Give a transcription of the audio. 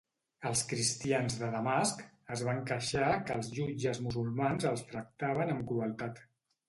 Els cristians de Damasc es van queixar que els jutges musulmans els tractaven amb crueltat.